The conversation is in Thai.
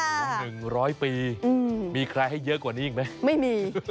หนึ่งร้อยปีบิไข่เยอะกว่านี้ไม่มี